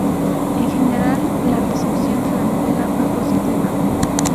En general, la recepción de la novela fue positiva.